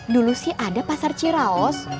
dulu sih ada pasar ciraos